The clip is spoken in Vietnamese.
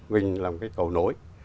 mình là một cái cầu nối